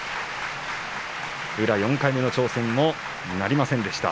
宇良４回目の挑戦もなりませんでした。